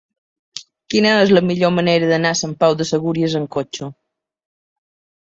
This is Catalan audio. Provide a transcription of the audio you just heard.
Quina és la millor manera d'anar a Sant Pau de Segúries amb cotxe?